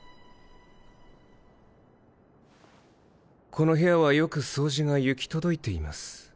この部屋はよく掃除が行き届いています。